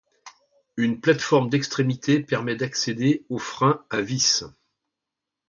Une plateforme d'extrémité permet d'accéder au frein à vis.